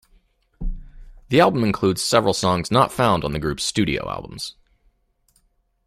The album includes several songs not found on the group's studio albums.